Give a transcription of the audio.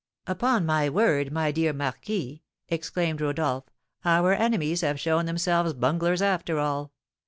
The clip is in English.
"Upon my word, my dear marquis," exclaimed Rodolph, "our enemies have shown themselves bunglers after all!